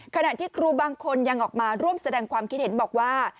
ขณะที่ครูบางคนยังออกมาร่วมแสดงความคิดเห็นบอกว่า